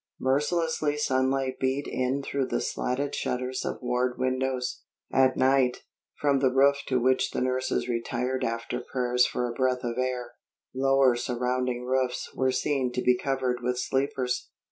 Merciless sunlight beat in through the slatted shutters of ward windows. At night, from the roof to which the nurses retired after prayers for a breath of air, lower surrounding roofs were seen to be covered with sleepers.